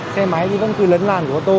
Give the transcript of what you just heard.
xe máy thì vẫn cứ lấn làn ô tô